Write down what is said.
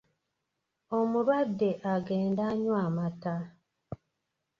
Omulwadde agende anywe amata.